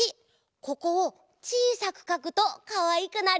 ここをちいさくかくとかわいくなるよ。